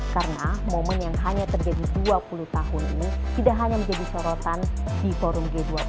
karena momen yang hanya terjadi dua puluh tahun ini tidak hanya menjadi sorotan di forum g dua puluh